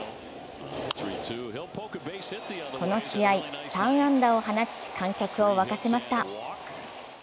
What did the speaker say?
この試合３安打を放ち、観客を沸かせました。